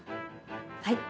はい。